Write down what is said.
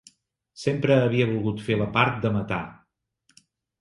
Sempre havia volgut fer la part de matar.